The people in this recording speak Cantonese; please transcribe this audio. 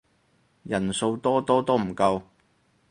人數多多都唔夠